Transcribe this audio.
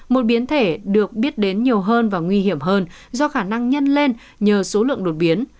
một biến thể được biết đến nhiều hơn và nguy hiểm hơn do khả năng nhân lên nhờ số lượng đột biến